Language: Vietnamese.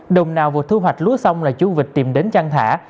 đồng nào vừa thu hoạch lúa xong là chú vịt tìm đến chăn thả